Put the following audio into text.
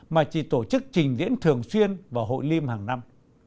mà chỉ tổ chức trình diễn thường xuyên vào hội lim hàng năm